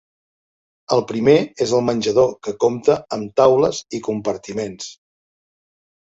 El primer és el menjador, que compta amb taules i compartiments.